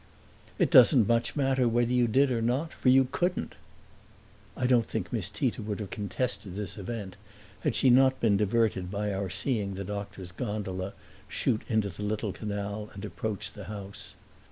"It doesn't much matter whether you did or not, for you couldn't!" I don't think Miss Tita would have contested this event had she not been diverted by our seeing the doctor's gondola shoot into the little canal and approach the house.